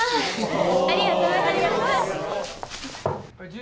ありがとうございます。